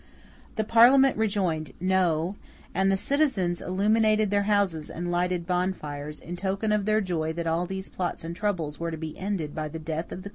The Parliament rejoined, No; and the citizens illuminated their houses and lighted bonfires, in token of their joy that all these plots and troubles were to be ended by the death of the Queen of Scots.